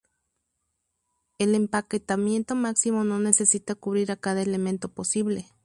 El empaquetamiento máximo no necesita cubrir a cada elemento posible.